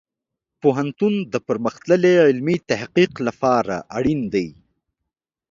پوهنتون د پرمختللې علمي تحقیق لپاره اړین دی.